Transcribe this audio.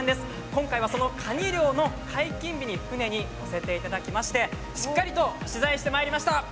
今回はそのカニ漁の解禁日に船に乗せていただきましてしっかりと取材してまいりました。